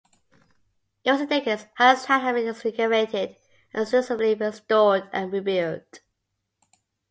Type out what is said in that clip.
In recent decades, Hanna's Town has been excavated and extensively restored and rebuilt.